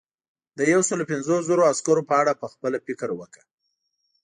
د یو سلو پنځوس زرو عسکرو په اړه پخپله فکر وکړه.